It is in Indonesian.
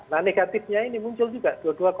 nah negatifnya ini muncul juga